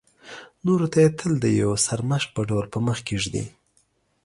نورو ته یې تل د یو سرمشق په ډول په مخکې ږدي.